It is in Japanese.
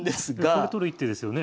これ取る一手ですよね。